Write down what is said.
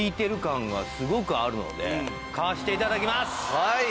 はい！